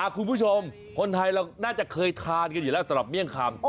คุณผู้ชมคนไทยเราน่าจะเคยทานกันอยู่แล้วสำหรับเมี่ยงคำ